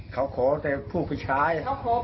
เขาขอแต่ผู้ผู้ชาย